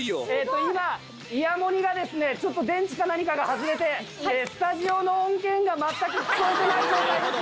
今イヤモニがですねちょっと電池か何かが外れてスタジオの音源が全く聞こえてない状態です。